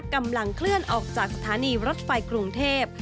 กำลังเคลื่อนออกจากสถานีรถไฟกรุงเทพ